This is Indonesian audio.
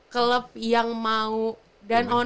klub yang mau dan